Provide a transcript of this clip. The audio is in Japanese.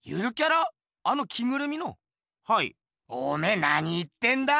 おめえなに言ってんだ？